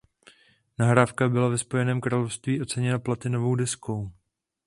Nahrávka byla ve Spojeném království oceněna platinovou deskou.